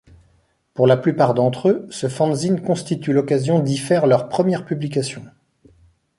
Pour la plupart d'entre eux, ce fanzine constitue l'occasion d'y faire leurs premières publications.